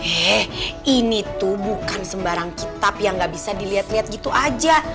eh ini tuh bukan sembarang kitab yang gak bisa dilihat lihat gitu aja